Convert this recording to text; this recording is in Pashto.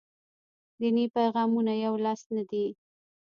دیني پیغامونه یولاس نه دي.